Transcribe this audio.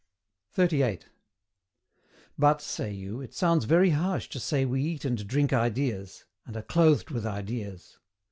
38. But, say you, it sounds very harsh to say we eat and drink ideas, and are clothed with ideas.